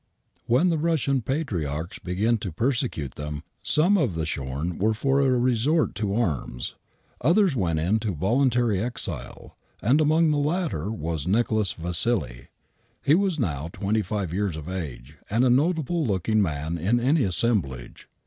When the Kussian patriarchs began to persecute them, some of the Shorn were for a resort to arms. Others weni into volun tary exile, and among the latter was Nicholas Vassili. He was now twenty five years of age and a notable looking man in any assemblage.